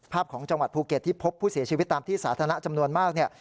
ของจังหวัดภูเก็ตที่พบผู้เสียชีวิตตามที่สาธารณะจำนวนมากเนี่ย